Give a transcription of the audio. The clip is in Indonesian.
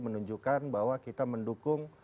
menunjukkan bahwa kita mendukung